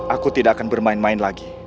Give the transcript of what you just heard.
aku tidak akan bermain main lagi